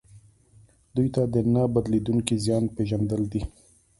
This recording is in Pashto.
دوی ته د نه بدلیدونکي زیان پېژندل دي.